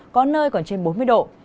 có nơi còn trên bốn mươi độ